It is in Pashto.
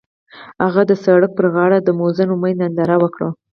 هغوی د سړک پر غاړه د موزون امید ننداره وکړه.